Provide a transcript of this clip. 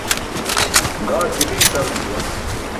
Ġaa tili isarum juwan